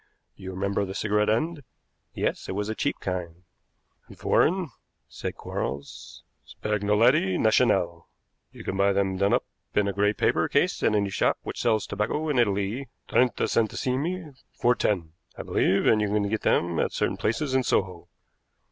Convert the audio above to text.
You remember the cigarette end?" "Yes, it was a cheap kind." "And foreign," said Quarles; "Spagnolette Nationale. You can buy them done up in a gray paper case at any shop which sells tobacco in Italy, trenta centesimi for ten, I believe, and you can get them at certain places in Soho.